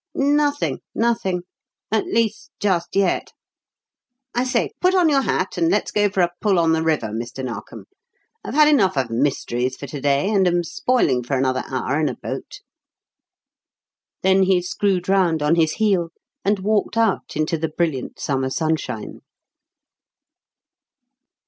"Nothing nothing. At least, just yet. I say, put on your hat, and let's go for a pull on the river, Mr. Narkom. I've had enough of mysteries for to day and am spoiling for another hour in a boat." Then he screwed round on his heel and walked out into the brilliant summer sunshine.